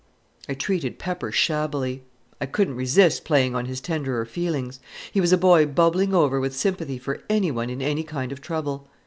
I treated Pepper shabbily. I couldn't resist playing on his tenderer feelings. He was a boy bubbling over with sympathy for anyone in any kind of trouble.